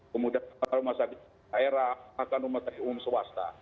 kemudian rumah sakit daerah bahkan rumah sakit umum swasta